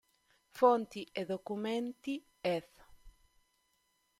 Fonti e documenti" ed.